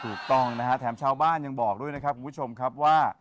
ถูกต้องนะฮะแถมชาวบ้านยังบอกด้วยนะครับคุณผู้ชมครับว่า